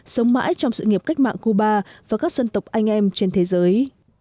sống mãi trong sự nghiệp cách mạng cuba và các dân tộc anh em trên thế giới